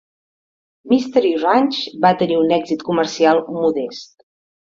"Mystery Ranch" va tenir un èxit comercial modest.